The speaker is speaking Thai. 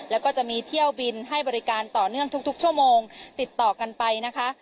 แล้วก็จะมีเที่ยวบินให้บริการต่อเนื่องทุกชั่วโมงติดต่อกันไปนะคะ